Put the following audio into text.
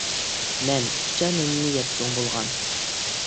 مەن كۇچا نېنىنى يەپ چوڭ بولغان.